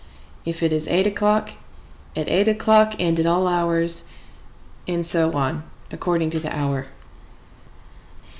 If it is eight o'clock, "At eight o'clock and at all hours!" and so on, according to the hour.